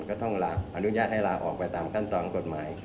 ก็ต้องอนุญาตให้ลาออกไปตามขั้นตอนกฎหมาย